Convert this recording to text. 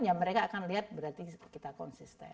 ya mereka akan lihat berarti kita konsisten